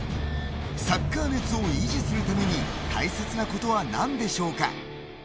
サッカー熱を維持するために大切なことは何でしょうか。